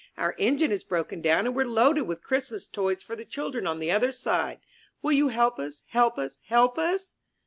Our engine has broken down, and we're loaded with Christmas toys for the children on the other side. Will you help us, help us, help us?